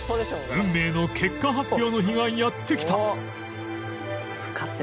運命の結果発表の日がやってきた